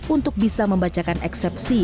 untuk bisa membacakan eksepsi